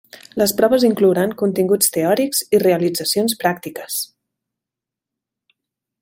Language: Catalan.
Les proves inclouran continguts teòrics i realitzacions pràctiques.